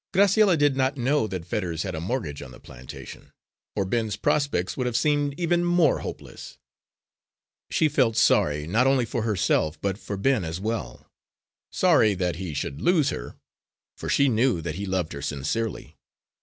Graciella did not know that Fetters had a mortgage on the plantation, or Ben's prospects would have seemed even more hopeless. She felt sorry not only for herself, but for Ben as well sorry that he should lose her for she knew that he loved her sincerely.